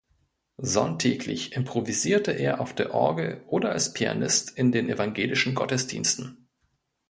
Sonntäglich improvisierte er auf der Orgel oder als Pianist in den evangelischen Gottesdiensten.